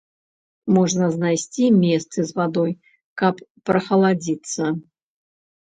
Можна знайсці месцы з вадой, каб прахаладзіцца.